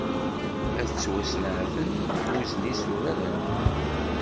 Ad d-ttwasneɛten ukkuẓ n yisura di Remḍan.